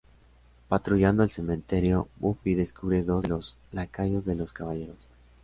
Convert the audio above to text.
Patrullando el cementerio, Buffy descubre dos de los lacayos de Los Caballeros.